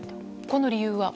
この理由は？